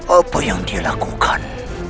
apa yang dia lakukan